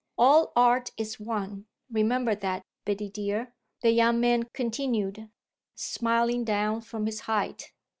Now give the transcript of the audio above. All art is one remember that, Biddy dear," the young man continued, smiling down from his height.